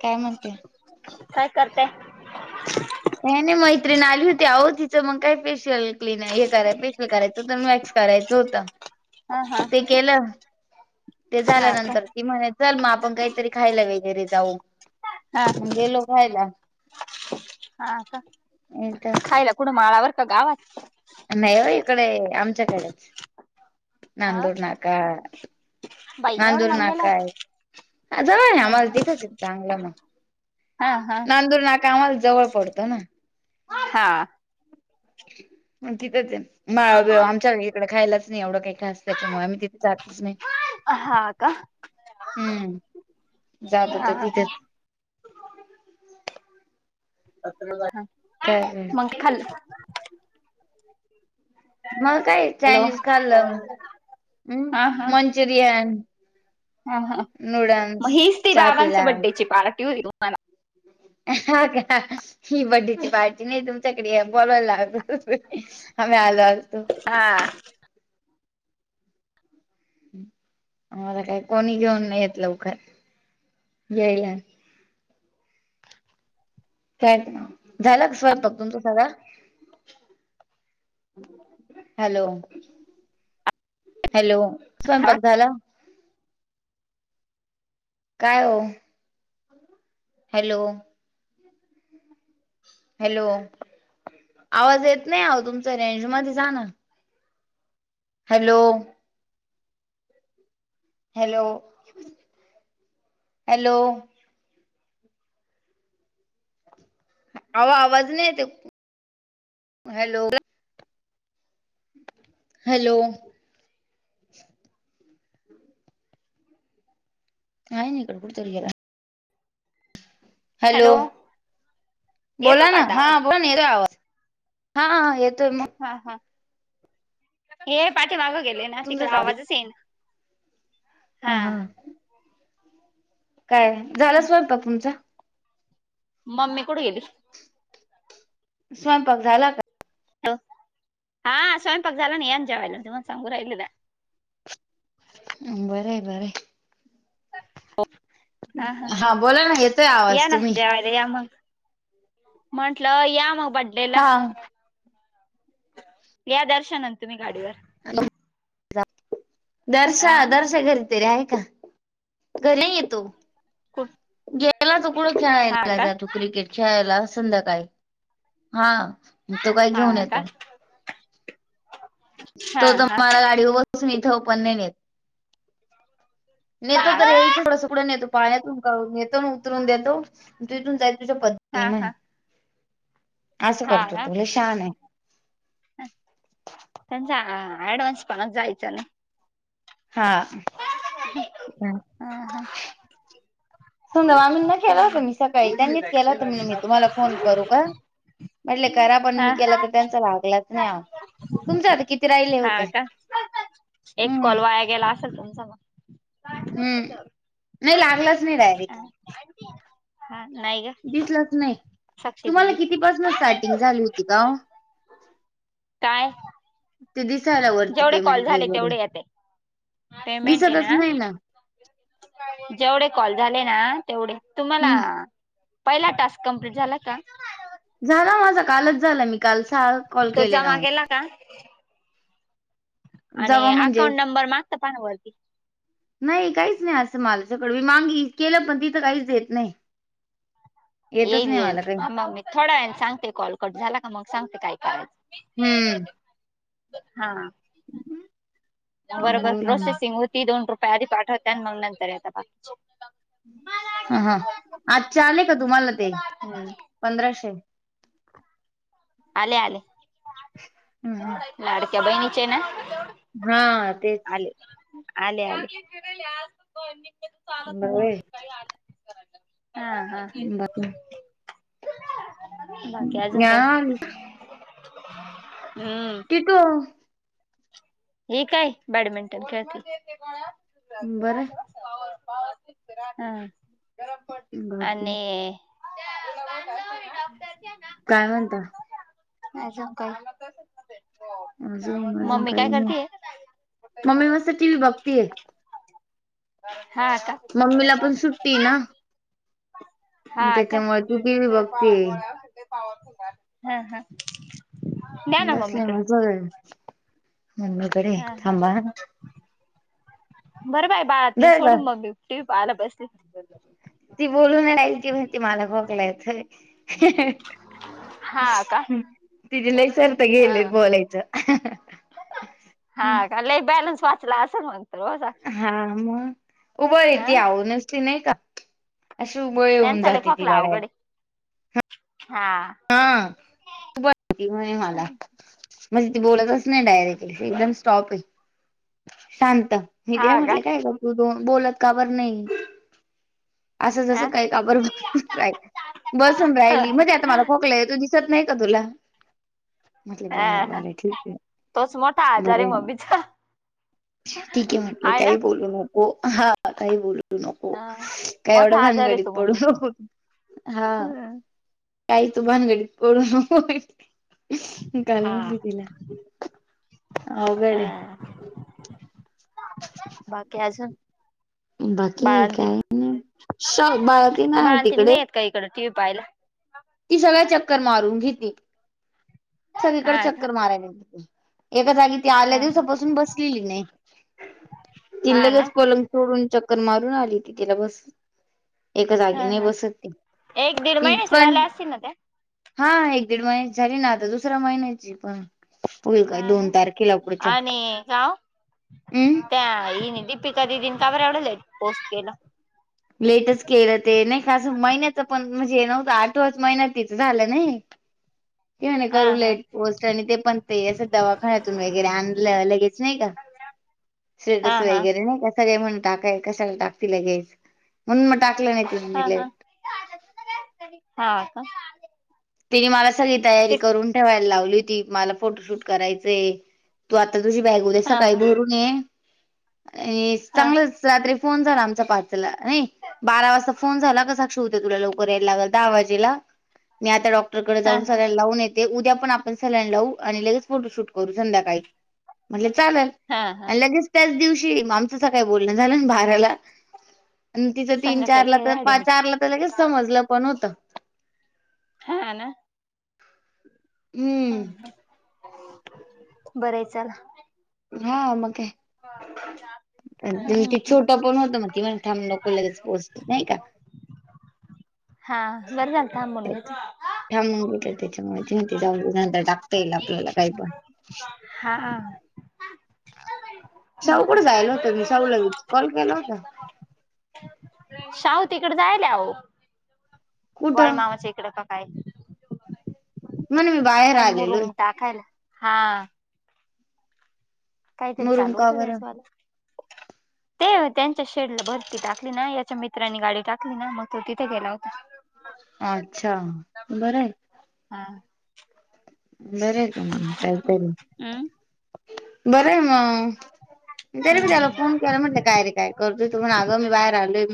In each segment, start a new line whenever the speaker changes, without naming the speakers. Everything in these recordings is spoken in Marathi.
काय म्हणते
काय करतेय
ह [inaudible] नाही नाही मैत्रीण आली होती आहो तिचं मग काय फेशियल क्लीन हे कराय फेशियल करायचं हों म वॅक्स करायं होतं [inaudible] [unintelligible]
हा हा
ते केलं ते
हा का
झाल्यानंतर ती म्हणा चल मग आपण काहीतरी खायला वगैरे जाऊ
हा
मण गेलो खायला
हा का
इथ
खायला कुड माळावर का गावात
नाही हो इकडे आमच्याकडेच
अ
नांदूड नाका
बाई एवढं
नांदूर
लांब गेला
नाकाय ज ना
होता?
आम्हाला तिथेच चांगलं मग
हा हा
नांदूर ना कामाला जवळ पडतं ना
हा
तीथेच आहे [inaudible] मा आमच्या इकडे खायलाच नाही एवढं काही खास त्याच्यामुळे आम्ही तिथे जातच नाही
अ हा का
हम्म जादा तर
हा
तथे काय काय
मग खल्
मग काय
हॅलो
चायनीज खाल्लं हम्
हा हा
मंचुरियन
हा हा मग
नूडल्स
हीच ती
चहा पिला
बाबांच्या बड्डेची पार्टी होती तुम्हाला
हा का ही बड्डीची पाार्टी नाही तुमच्याकडे बोलायला लागतो आम्ही आलो आलतो
हा
आला काय कोणी घेऊन नाही येत लवकर येयला काय झाला कसवाय बघ तुमच सगा हॅलो हॅलो स्वयंपाक झाला कायो हॅलो हॅलो आवाज येत नाही ह तुमच रेंज म जाण हॅलो हॅलो हॅलो आवा आवाज नाही य ते हॅलो हॅलो हायन इकडे कुतरेला हॅलो
येतो
बोला
का
ना
आता आवाज
हा बो ना आवाज हा येत मग
हा हा हे पाठीमागं गेले ना तिकड
तुमचाच आवाज
आवाजच ये ना हा
काय झालं स्वयपा तुमचं
मम्मी कुड गेलीस
स्वयंपाक झाला का
हो हा स्वयंपाक झाला ना येन जेवायला तु सांगूरल द
बर आहे बर हा बोला ना येतोय
या
आवाज
ना
तुम्ही
जेवायला या मग म्हंटलं या मग बड्डे ला
हा
या दर्शनन तुम्ही गाडीवर
हॅ दर्शा
आ
दर्शा घरी त रेय का घरी येतो
कोण
त्याला चुकड खेळाला जातो क्रिकेट खेळायला संध्याकाळी हा तो काही घेऊन
हा का
येतो
हा
तो तर
हा
मला गाडी उ त म इथ उपन नेत
ह
नेतो तर एकथडं सगडंेतो पाण्यातून येतो उतरून देतो तू इथून जाई तुझ्या पद्
हा हा
असं
हा
करतो
का
तुला छान आहे
त्यांचा ऍडवाान्स पणत जायचां ना
हा
हम हा
समजा आम्ही ना केला होत मी सकाळी त्यांनीच केला होता म्हणून मी तुम्हाला फोन करू का म्हटले करा पण
हा
मी केला
हा
तर त्यांचा लागलाच नाही ह तुमच आता किती राहिले
हा
होते
का एक
हम्म
कॉलवाया गेला असेल तुमचा मग
हम्म नाही लागलाच नाही डायरेक्ट
हा, हा नाहीय ग
दिसलाच नाही
साक्षी
तुम्हाला
दिदी
कितीपासून स्टार्टिंग झाली होती का
काय
ते दिसायला वरती
जेवढे कॉल
पेमेंट
झाले
वगैरे
तेवढे येत पेमेंट आहे
दिसतच
ना.
नाही
जेवढे कॉल झाले ना तेवढे तुम्हाला.
हम्म
पहिला टास्क कम्प्लीट झाला का.
झाला माझा कालच झालं मी काल चाल.
तो जमा केला का. आणि
जावा म्हणजे
अकाउंट नंबर मागता पाण्यावरती
नाही काहीच नाही असं मालच्याकड मी मागी केलं पण तिथं काहीच देत नाही येतच नाही मला काही
थोडं आहे सांगते कॉल कट झाला का मग सांगते काय करायचं
हम्म
हा
ह् हम्
बरोबर प्रोसेसिंग होती दोन रुपये आधी पाठवत आणि मग नंतर आता बाकी
हा हा आज चाले का तुम्हाला ते
हम्म
पंधराशे
आले आले
हम् हम
लाडक्या भाई नीचेे ना
हा तेच
आले आले.
नवे.
हा हा.
बाकी
बाकी आजून काय
हां,
हम्म.
केतो.
हे काय बॅडमिंटन खेळतील.
बरं. बाकी
आणि. त्या.
काय म्हणता.
अ का.
अजून अजून काही नाही मम्मी मस्त टी व्ही बघतीय.
हा का
मम्मीला पण सुट्टी ना.
हा
मग
का.
त्याच्यामुळे ती टीव्ही बघतीय.
हा हा. द्या ना
बसले
मम्मीकडे
मज म्हण.
हा हा बरं बाय. पा
धर ग
सोडून मम्मी टी व पाहायला बसली.
ती बोलून य की म्हण त मला खोकला येतय.
हा का
तिजे लई सर तर
हा
गेले बोलायचं.
हा का ल बॅलन्स वाचला असेल म्हणत हो.
हा मग उबळ आहे ती
ह
आवूनच ती नाही का अशी उब
त्याम चाले खोकला अवघडे हा.
हा खपती म्ह मला. मज ती बोलतच नाही डायरेक्टली एकदम स्टॉप आहे शांत. मी
हा
तिला
का
म्हटले काय कर तू दो बोलत का बर नाही. असं
हा
जसं काही काबर ब राहि बसून राहिली मज आता मला खोकलाय तू दिसत नाही का तुला म्हटले बघर
हा
बघर ठीक आहे
तोच मोठा आजार आहे
बरं.
मम्मीचा
ठीक आहे म्हटलंय
हाय ना
काही बोलू नको हा काही बोलू. नको
हा
काय
मोठा
एवढं
आजार आहे
भानगडीत
तो
पडू
मम्मीचा
नको. हा
हम्म
काही तू भानगडी प नक
हा
गाण्यामधली बोला अवघडे‌ आहे.
हा बाकी अजून
बाकी
बाळांतीन
काय नाही श बाळती नाही आहे तिकडे
काहीकडडे टीव् पायला.
ती सगळ्या चक्कर मारून घेतली. सगकडे
हा का
चक्कर मारायला एका जागी. ती
ह
आल्या
ह
दिवसापासून बसलेली नाही ती
हा ना
लगच प सोडून चक्कर मारून आली त तिला बस एका
ह
जागी नाही
ह
बसत त
एक दीड
त
महिन्याच्या
पण.
झाल्या असतील ना त्या
हा एक दीड महिन्या झाली ना आता दुसऱ्या महिन्याची पण. होईल काय दोन तारखेला पुढच्या
का
हम्म
त्या ह दीपिका दिदीनी काबर आवडल पोस्ट केलं.
लेटच केलं ते नाही खसं महिन्याच पण म्हणजे हे नव्हतं आठवाच महिन्यात तिथं झालं नाही. [inaudible] किं नाही
हा
करू ला
हा
पोस्ट आणि ते पण ते असं दवाखान्यातून वगैरे आणलं लगेच नाही का.
अ [unintelligible]
सेटस वगैरे नाही कस म्हणून टाकाय कशाला टाकती लगेच. मुण्टाकले नाही. तिने
हा
मी
हा
लेट.
हा का.
तिने मला सगळी तयारी
ते
करून ठेवायला लावली होती. मला फोटोशूट करायचंय तू आता तुझी बॅग उद
हा
सकाळी
हा
भर
हा
चांगलंच रात्री फोन झाला आमचा पारचला नाही. बारा वाजता फोन झाला कसा क्षवते तुला लवकर यायला लागल दहा वाजेला. मी आता डॉक्टरकडे
हा
जाऊन
हा
सलाईन लावून येते. ते उद्या पण आपण सलाईन लावू आणि लगेच फोटोशूट करू संध्याकाळी म्हटले चालेल.
हा हा
आणि लगेच त्याच दिवशी आमचंच काय बोलणं झालं ना बााराला. आणि तिचं तीन
संध्याकाळला
चारला
गेले
तर पा
ऍडमिट
चारला तर लगेच समजलं पण होतं.
हा ना
हम्म
ह बरं चला.
हा मग काय? ते छोट पण होत मग त म थांब नको लगच पोहोचत नाही का?
चला हा बरं झालं थांबणूनेत
थांबून घेतलं त्याच्यामुळे ती म्हटली जाऊदे नंतर टाकता येईल आपल्याला काही पण
हा.
शाऊकड जायला होतं मी शाहूला कॉल केला होता.
शाहू तिकड जायलाह वाळ
कुठं
मामाच इकड काकाय?
म्हणे मी बाहेर
काय
आलेलोय
मुरुम टाकायला हा. काहीतरी
मुरुम
चालू
का
होतं
बरं
त्याच वाला.
[unintelligible]
ते त्यांच्या शेडला भरती टाकली ना याच्या मित्रांनी गाडी टाकली ना मग तो तिथे गेला होता.
अच्छा बरं आहे.
हा.
बर आहे का मग काहीतरी
हम्म
बरं आहे मग तरी मी त्याला
हम्म
फोन केला म्हटलं काय रे काय करतय तू म्हण आगं मी बाहेर आलोय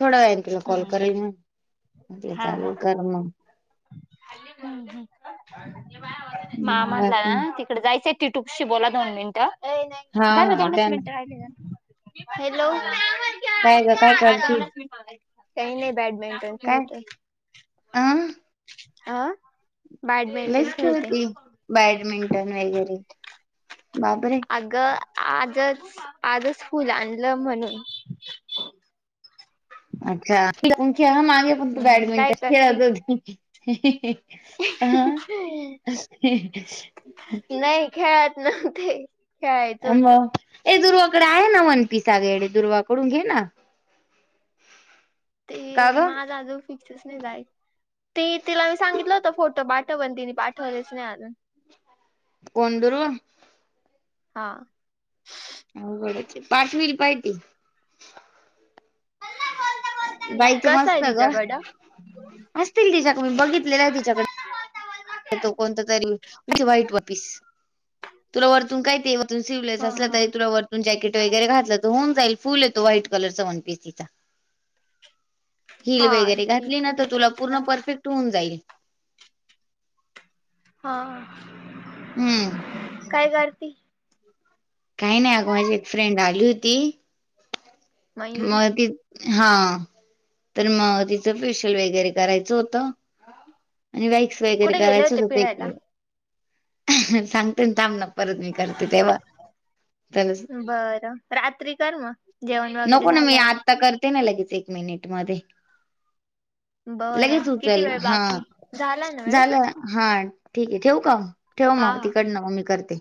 थोडा व पला कॉल
हम्म
करे मले चाल कर.
मा म्हटलं
बाकी
ना त तकडे जायचंय टीटुपशी बोला दोन मिनिट
हा
झाल
हा
दोनच
द्या ना
मिनट राहील. हॅलो.
काय ग काय करतील.
काही नाही बेडमिंटन ख त
अं
अह बॅडमिंटन
लईच
खेळते.
खेळती बॅडमिंटन वगैरे बापरे!
अग आजच आजच फुल आणलं म्हणून.
अच्छा खेळून खेळून आले पण तू
हम्म, काय
बॅडमिंटन
करते
खेळाच [unintelligible]
नाही खेळत नव्हते. खेळायचं
अ
होतं
ए दुर्वाकडे आहे ना वन पीस अग येडे दुर्वाकडून घे ना.
ते
का ग
मा जाजू फिक. ते तिला मी सांगितलं होत फोटो पाठव पण तिने पाठवलेच नाही अजून
कोडर.
हा.
अवघडच पाठविल पाहिती.
हा
बाईच
कसा आहे
मस्त ग
तिच्याकडं
असतील तिच्याकडे मी बघितलेल्या तिच्याकडे कोणत तरीे वाईट वापस तुला वरतून काय ते स्लीवलेस
हा
असला
हा
तरी तुला वरतून जॅकेट वगैरे घातल त हून जाईल फुले तो व्हाइट कलरचा वनपीस तीचा हिल
हा
वगैरे
ठीक
घातली ना
आहे मग
तर तुला
तोच
पूर्ण
घाल
परफेक्ट होऊन जाईल.
हा.
[unintelligible]
काय करती?
काही नाही, अगं माझी एक फ्रेंड आली होती.
मयुरी
मग ती हा, तर मग तिचं फेशिअल वगैरे करायचं होतं. आणि व्हॅक्स वगैरे
कुठे गेले
करायचच होते एक
फिरायला
वेळ सांगते थांब ना परत मी त्याला करते तेव्हा त
बरं. रात्री कर मग जेवण वगैरे
नको ना, मी
झाल्यावर
आता करते ना लगेच एक मिनिट मध्ये.
बरं
लगेच
किती
उचल.
वेळ
हा
बाकी झाला ना वेळ
झालं. हा ठीक आहे, ठेवू का? ठेव
हा
मग
हा
तिकडंन म मी करते.